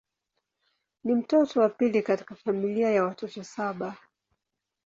Ni mtoto wa pili katika familia ya watoto saba.